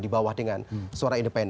di bawah dengan suara independen